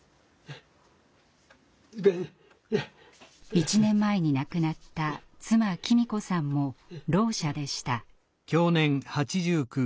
１年前に亡くなった妻喜美子さんもろう者でした。